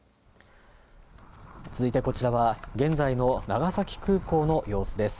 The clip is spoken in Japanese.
続いてこちらは現在の長崎空港の様子です。